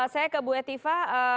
saya ke bu hedipa